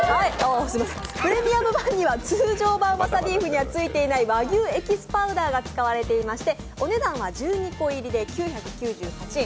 プレミアム版には通常版わさビーフにはついてない和牛エキスパウダーが使われていましてお値段は１２個入りで９９８円。